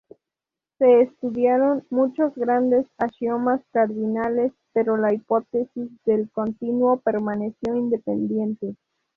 Se estudiaron muchos grandes axiomas cardinales, pero la hipótesis del continuo permaneció independiente.